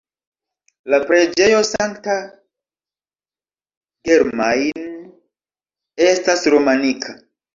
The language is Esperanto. La preĝejo Sankta Germain estas romanika.